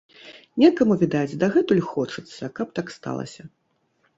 Некаму, відаць, дагэтуль хочацца, каб так сталася.